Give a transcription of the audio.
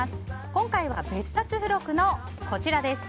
今回は、別冊付録のこちらです。